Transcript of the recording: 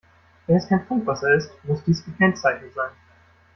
Wenn es kein Trinkwasser ist, muss dies gekennzeichnet sein.